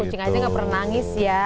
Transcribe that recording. kucing aja nggak pernah nangis ya